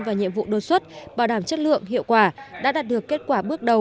và nhiệm vụ đột xuất bảo đảm chất lượng hiệu quả đã đạt được kết quả bước đầu